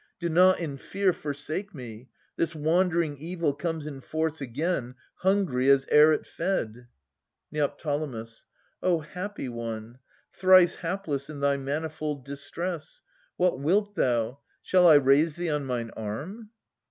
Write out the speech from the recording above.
Do not in fear forsake me. This wandering evil comes in force again, Hungry as ere it fed. Neo. O hapless one ! Thrice hapless in thy manifold distress ! What wilt thou? Shall I raise thee on mine arm?